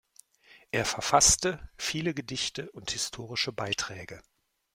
Er verfasste viele Gedichte und historische Beiträge.